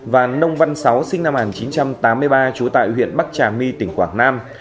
và nông văn sáu sinh năm một nghìn chín trăm tám mươi ba trú tại huyện bắc trà my tỉnh quảng nam